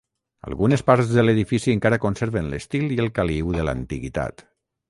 Algunes parts de l'edifici encara conserven l'estil i el caliu de l'antiguitat.